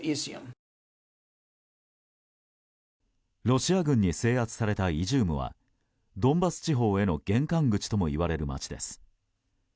ロシア軍に制圧されたイジュームはドンバス地方への玄関口ともいわれる街です。